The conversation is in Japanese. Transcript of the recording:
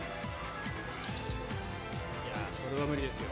いやぁそれは無理ですよ。